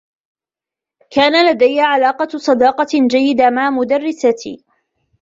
كانت لديّ علاقة صداقة جيّدة مع مدرّستي.